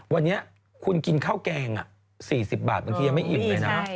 วันนี้คุณกินข้าวแกง๔๐บาทบางทียังไม่อิ่มเลยนะ